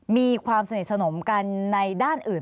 มีความสนิทสนมกันในด้านอื่น